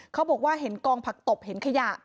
เขาบอกว่าเห็นกองผักตบเห็นขยะ